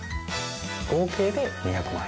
合計で２００万円。